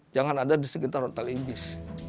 jangan ada di sekitar hotel inggris